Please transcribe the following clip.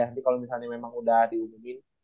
nanti kalau misalnya memang udah diumumin